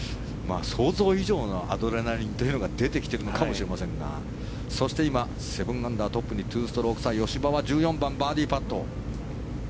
想像以上のアドレナリンというのが出てきているのかもしれませんがそして、今、７アンダーで２ストローク差の１４番、バーディーパット。